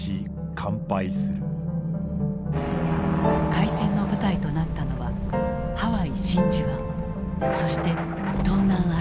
開戦の舞台となったのはハワイ・真珠湾そして東南アジア。